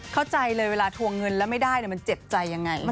เข้าใจเลยเวลาทวงเงินแล้วไม่ได้มันเจ็บใจยังไง